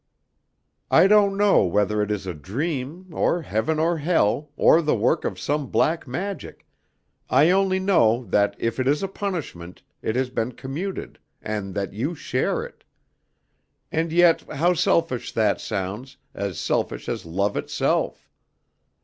I don't know whether it is a dream, or heaven or hell, or the work of some black magic; I only know that if it is a punishment it has been commuted, in that you share it. And yet how selfish that sounds, as selfish as love itself.